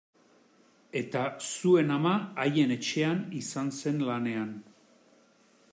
Eta zuen ama haien etxean izan zen lanean.